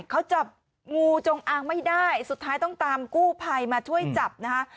เขาจับงูจงอางไม่ได้สุดท้ายต้องตามกู้ภัยมาช่วยจับนะคะ